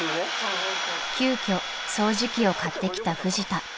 ［急きょ掃除機を買ってきたフジタ］